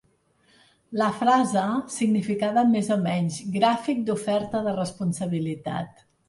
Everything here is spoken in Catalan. La frase significava més o menys "gràfic d'oferta de responsabilitat".